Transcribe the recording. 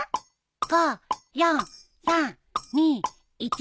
５４３２１。